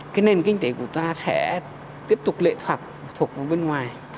cái nền kinh tế của ta sẽ tiếp tục lệ thuộc vào bên ngoài